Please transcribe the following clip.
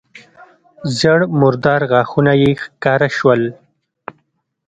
ژېړ مردار غاښونه يې راښکاره سول.